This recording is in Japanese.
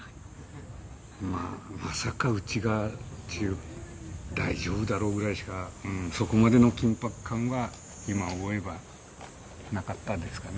まさか、うちがという大丈夫だろうとしかそこまでの緊迫感は今思えばなかったですかね。